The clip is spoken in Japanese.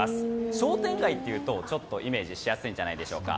商店街と言うとちょっとイメージしやすいんじゃないでしょうか。